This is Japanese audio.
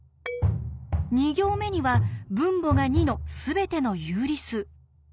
２行目には分母が２のすべての有理数。